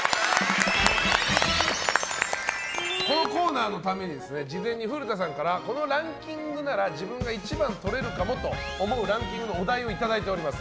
このコーナーのために事前に古田さんからこのランキングなら自分が一番をとれるかもというランキングのお題をいただいております。